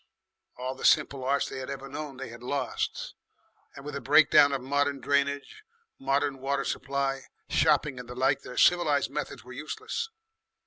All the simple arts they had ever known they had lost, and with the breakdown of modern drainage, modern water supply, shopping, and the like, their civilised methods were useless.